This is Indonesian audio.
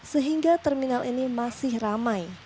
sehingga terminal ini masih ramai